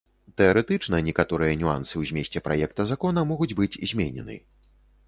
Тэарэтычна некаторыя нюансы ў змесце праекта закона могуць быць зменены.